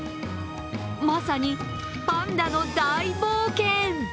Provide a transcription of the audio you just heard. まさに、パンダの大冒険。